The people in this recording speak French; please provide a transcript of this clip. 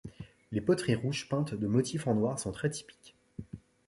Les poteries rouges peintes de motifs en noir sont très typiques.